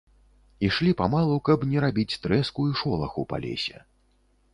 Ішлі памалу, каб не рабіць трэску і шолаху па лесе.